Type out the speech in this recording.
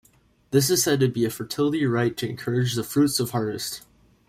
This is said to be a fertility rite to encourage the fruits of harvest.